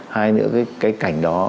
hai nữa cái cảnh đó